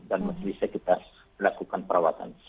dan bisa kita lakukan perawatan